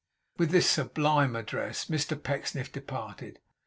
With this sublime address, Mr Pecksniff departed.